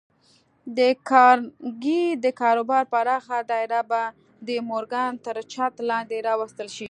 د کارنګي د کاروبار پراخه دايره به د مورګان تر چت لاندې راوستل شي.